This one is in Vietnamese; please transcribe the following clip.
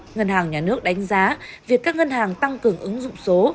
ngân hàng nhà nước đánh giá việc các ngân hàng tăng cường ứng dụng số